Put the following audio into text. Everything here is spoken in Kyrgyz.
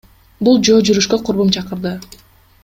Бул жөө жүрүшкө курбум чакырды.